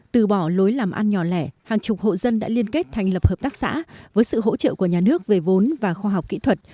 từ bỏ lối làm ăn nhỏ lẻ hàng chục hộ dân đã liên kết thành lập hợp tác xã với sự hỗ trợ của nhà nước về vốn và khoa học kỹ thuật